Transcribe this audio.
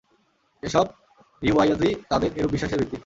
এসব রিওয়ায়তই তাদের এরূপ বিশ্বাসের ভিত্তি।